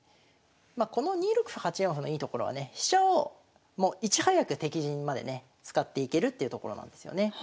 まあこの２六歩８四歩のいいところはね飛車をいち早く敵陣までね使っていけるっていうところなんですよね。